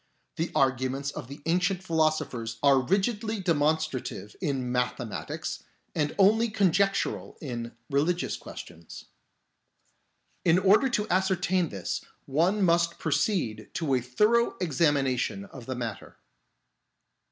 The arguments of the ancient philo sophers are rigidly demonstrative in mathematics and only conjectural in religious questions. In order to ascertain this one must proceed to a thorough examination of the matter."